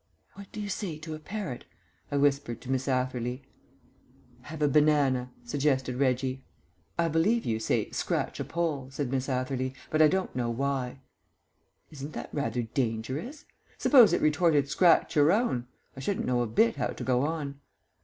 "What do you say to a parrot?" I whispered to Miss Atherley. "Have a banana," suggested Reggie. "I believe you say, 'Scratch a poll,'" said Miss Atherley, "but I don't know why." "Isn't that rather dangerous? Suppose it retorted 'Scratch your own,' I shouldn't know a bit how to go on."